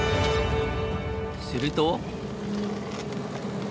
すると。